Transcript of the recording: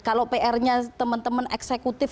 kalau pr nya teman teman eksekutif